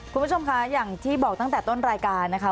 คุณผู้ชมคะอย่างที่บอกตั้งแต่ต้นรายการนะคะ